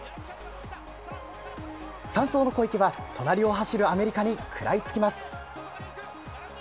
３走の小池は隣を走るアメリカに食らいつきます。